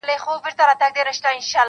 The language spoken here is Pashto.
د کور ټول غړي چوپ دي او وېره لري,